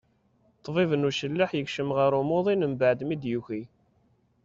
Ṭbib n ucelleḥ yekcem ɣer umuḍin-is mbaɛd mi d-yuki.